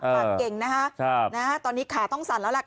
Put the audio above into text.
ปากเก่งนะคะตอนนี้ขาต้องสั่นแล้วล่ะค่ะ